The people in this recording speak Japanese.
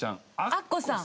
アッコさん。